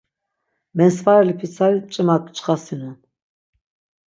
Mensvareli pitsari mç̌imak çxasinon.